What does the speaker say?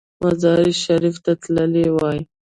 مزار شریف ته تللی وای.